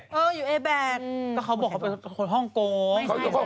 เขาบอกเขาเป็นคนห้องกง